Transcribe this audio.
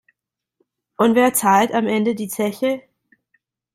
Und wer zahlt am Ende die Zeche?